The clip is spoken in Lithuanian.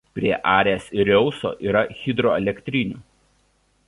Prie Arės ir Reuso yra hidroelektrinių.